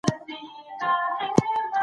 ولې د خوړو مسمومیت په اوړي کې زیاتیږي؟